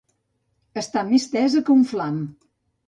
Està més tesa que un flam.